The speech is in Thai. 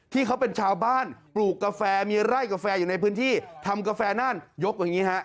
ที่เขาเป็นชาวบ้านปลูกกาแฟมีไร่กาแฟอยู่ในพื้นที่ทำกาแฟน่านยกอย่างนี้ฮะ